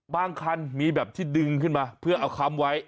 คันมีแบบที่ดึงขึ้นมาเพื่อเอาค้ำไว้